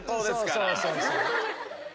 そうそうそうそう。